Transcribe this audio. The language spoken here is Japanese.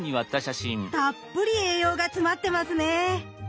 たっぷり栄養が詰まってますね。